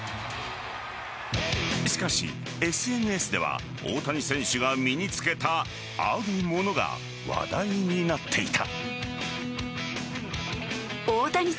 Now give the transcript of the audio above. しかしＳＮＳでは大谷選手が身に着けたあるものが話題になっていた。